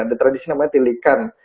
ada tradisi namanya tilekan